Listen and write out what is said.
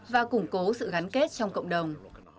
và củng cố sự gắn kết trong cộng đồng